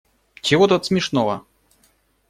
Чего тут смешного?